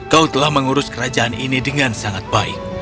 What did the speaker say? kau telah mengurus kerajaan ini dengan sangat baik